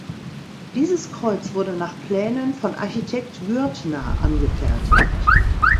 Dieses Kreuz wurde nach Plänen von Architekt Gürtner angefertigt.